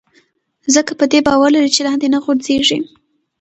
ځکه په دې باور لري چې لاندې نه غورځېږي.